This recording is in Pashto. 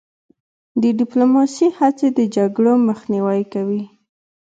د ډیپلوماسی هڅې د جګړو مخنیوی کوي.